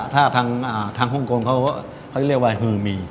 ถ้าทางฮ่องกลมเขาเรียกว่าหือมี